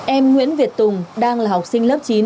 em nguyễn việt tùng đang là học sinh lớp chín